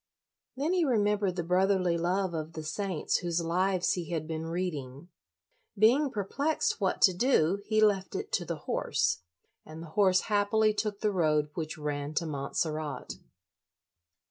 Then he remem bered the brotherly love of the saints whose lives he had been reading. Being perplexed what to do, he left it to the horse, and the horse happily took the road which ran to Montserrat.